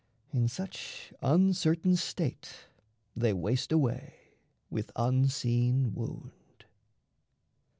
In such uncertain state they waste away With unseen wound.